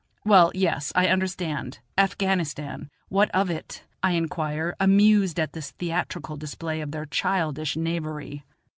"Well, yes, I understand; Afghanistan what of it?" I inquire, amused at this theatrical display of their childish knavery.